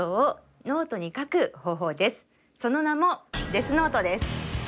その名も「デスノート」です。